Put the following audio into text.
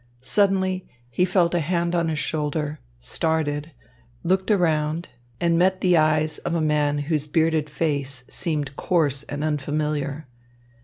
Suddenly he felt a hand on his shoulder, started, looked around and met the eyes of a man whose bearded face seemed coarse and unfamiliar.